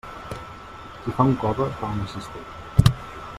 Qui fa un cove, fa una cistella.